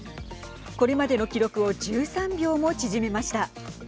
これまでの記録を１３秒も縮めました。